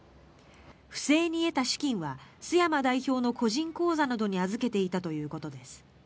不正に得た資金は須山代表の個人口座などに預けていたということです。